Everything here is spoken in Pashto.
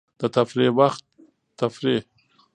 د تفریح وخت تفریح.